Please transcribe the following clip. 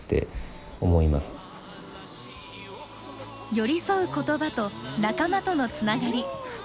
寄り添う言葉と仲間とのつながり。